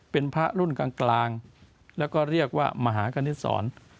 เป็นพระรุ่นกลางแล้วก็เรียกว่ามหากณิตศร